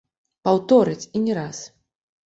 Паўторыць і не раз!